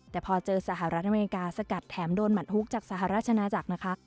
แต่พอเจอสหรัฐอเมริกาสกัดแถมโดนหมัดฮุกจากสหราชนาจักรนะคะ